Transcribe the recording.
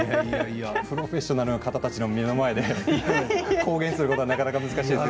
プロフェッショナルの方たちの目の前で公言することなかなか難しいです